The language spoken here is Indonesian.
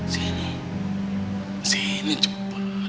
sini sini cepat